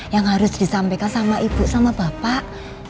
yang harus disampaikan sama ibu sama bapak